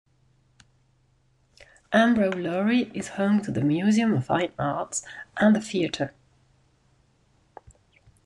Ambrolauri is home to the Museum of Fine Arts, and a theatre.